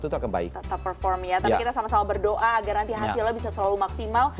tetap perform ya tapi kita sama sama berdoa agar nanti hasilnya bisa selalu maksimal